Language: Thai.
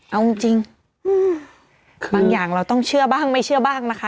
เอาจริงบางอย่างเราต้องเชื่อบ้างไม่เชื่อบ้างนะคะ